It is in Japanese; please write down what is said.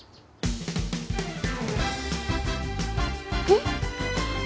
えっ？